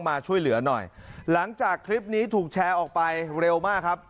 มาช่วยเหลือหน่อยหลังจากคลิปนี้ถูกแชร์ออกไปเร็วมากครับ